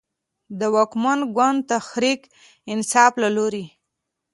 د واکمن ګوند تحریک انصاف له لورې